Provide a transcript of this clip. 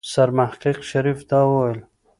سرمحقق شريف دا وويل.